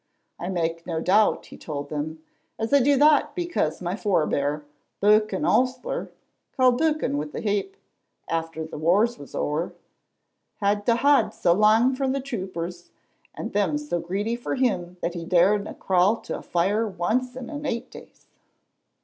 "I make no doubt," he told them, "as I do that because my forbear, Buchan Osler (called Buchan wi' the Haap after the wars was ower), had to hod so lang frae the troopers, and them so greedy for him that he daredna crawl to a fire once in an eight days."